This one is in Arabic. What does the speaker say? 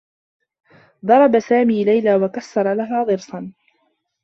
ضرب سامي ليلى و كسّر لها ضرسا.